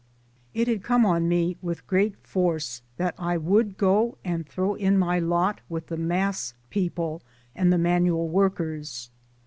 ' It had come on me with great force that I would go and throw in my lot with the mass people and the manual workers.